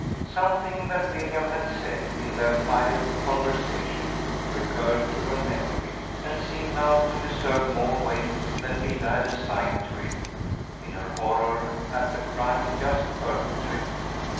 Something that Miriam had said, in their final conversation, recurred to her memory, and seemed now to deserve more weight than Hilda had assigned to it, in her horror at the crime just perpetrated.